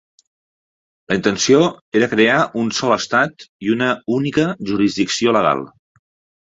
La intenció era crear un sol estat i una única jurisdicció legal.